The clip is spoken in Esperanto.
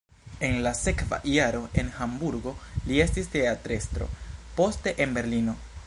En la sekva jaro en Hamburgo li estis teatrestro, poste en Berlino.